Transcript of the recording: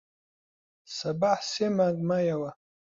سەباح سێ مانگ مایەوە.